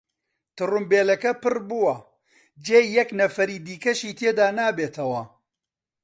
تڕومبێلەکە پڕ بووە، جێی یەک نەفەری دیکەشی تێدا نابێتەوە.